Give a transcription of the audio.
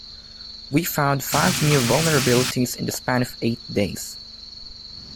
We found five new vulnerabilities in the span of eight days.